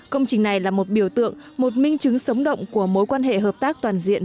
công trình này là một biểu tượng một minh chứng sống động của mối quan hệ hợp tác toàn diện